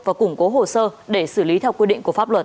và củng cố hồ sơ để xử lý theo quy định của pháp luật